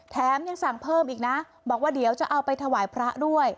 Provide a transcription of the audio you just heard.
ยังสั่งเพิ่มอีกนะบอกว่าเดี๋ยวจะเอาไปถวายพระด้วย